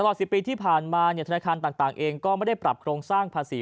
๑๐ปีที่ผ่านมาธนาคารต่างเองก็ไม่ได้ปรับโครงสร้างภาษี